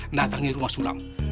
nantangin rumah sulam